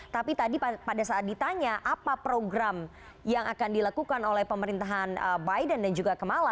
tapi tadi pada saat ditanya apa program yang akan dilakukan oleh pemerintahan biden dan juga kemala